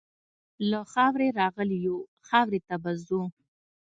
له خاورې راغلي یو، خاورې ته به ګرځو.